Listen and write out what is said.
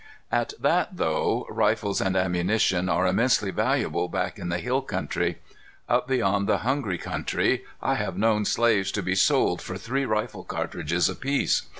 At that, though, rifles and ammunition are immensely valuable back in the hill country. Up beyond the Hungry Country, I have known slaves to be sold for three rifle cartridges apiece.